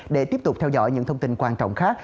để tiếp tục theo dõi những thông tin quan trọng khác